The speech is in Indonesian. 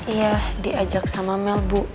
iya diajak sama mel bu